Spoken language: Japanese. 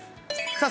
さあ